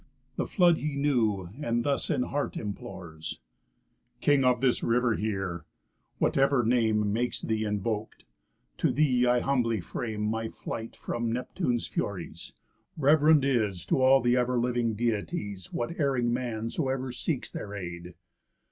The flood he knew, and thus in heart implores: "King of this river, hear! Whatever name Makes thee invok'd, to thee I humbly frame My flight from Neptune's furies. Rev'rend is To all the ever living Deities What erring man soever seeks their aid.